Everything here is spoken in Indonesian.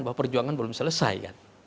bahwa perjuangan belum selesai